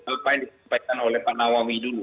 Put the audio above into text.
apa yang disampaikan oleh pak nawawi dulu